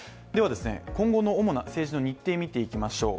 今後の主な政治の日程を見ていきましょう。